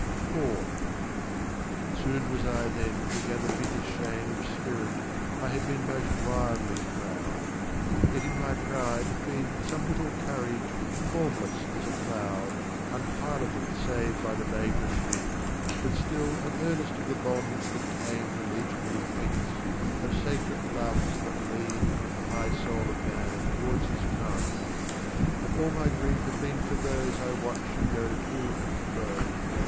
IV Soon was I then to gather bitter shame Of spirit, I had been most wildly proud Yet in my pride had been Some little courage, formless as a cloud, Unpiloted save by the vagrant wind, But still an earnest of the bonds that tame The legionary hates, of sacred loves that lean From the high soul of man towards his kind. And all my grief Had been for those I watched go to and fro.